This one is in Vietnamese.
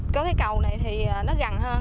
có cái cầu này thì nó gần hơn